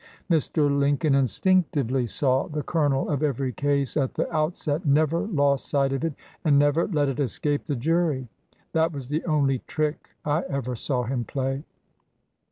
Mr. Lincoln instinctively 211 LINCOLN THE LAWYER saw the kernel of every case at the outset, never lost sight of it, and never let it escape the jury. That was the only trick I ever saw him play."